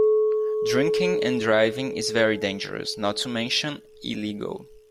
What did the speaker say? Drinking and driving Is very dangerous, not to mention illegal.